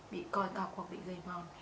bị còi cọc hoặc bị dày mòn